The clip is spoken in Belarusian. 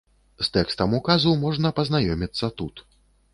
З тэкстам указу можна пазнаёміцца тут.